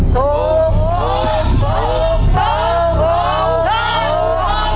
ถูก